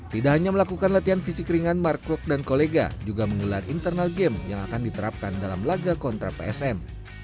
tidak hanya melakukan latihan fisik ringan mark krok dan kolega juga menggelar internal game yang akan diterapkan dalam laga kontra psm